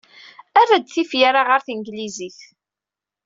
Err-d tifyar-a ɣer tanglizit.